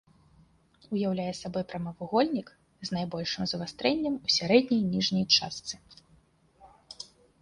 Уяўляе сабой прамавугольнік з найбольшым завастрэннем у сярэдняй ніжняй частцы.